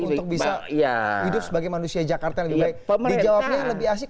untuk bisa hidup sebagai manusia jakarta yang lebih baik